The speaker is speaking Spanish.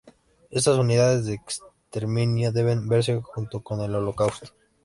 Estas unidades de exterminio deben verse junto con el Holocausto.